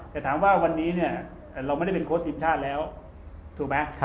แต่ถามว่าวันนี้เนี่ยเราไม่ได้เป็นโค้ชทีมชาติแล้วถูกไหม